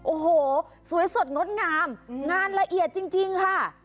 โอ้โหสวยสดงดงามงานละเอียดจริงค่ะ